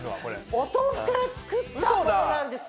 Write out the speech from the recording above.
お豆腐から作ったものなんですよ。